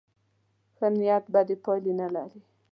ښه نیت بدې پایلې نه لري.